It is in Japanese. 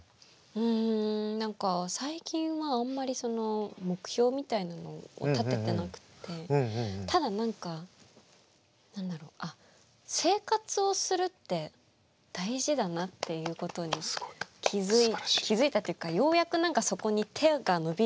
うん何か最近はあんまりその目標みたいなのを立ててなくてただ何か何だろう生活をするって大事だなっていうことに気付いたというかようやく何かそこに手が伸びるようになって。